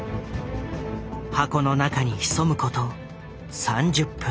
箱の中に潜むこと３０分。